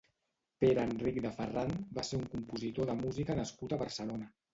Pere Enric de Ferrán va ser un compositor de música nascut a Barcelona.